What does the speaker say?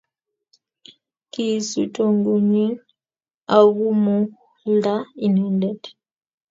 Kiisuu kitogunyin akumilda inendet